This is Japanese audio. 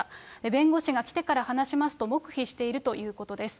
弁護士が来てから話しますと黙秘しているということです。